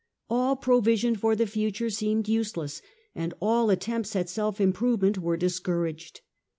All provision for the future seemed useless, and all attempts at self improvement were discouraged.